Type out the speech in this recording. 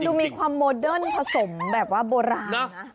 ดูมีความโมเดิร์นผสมแบบว่าโบราณนะ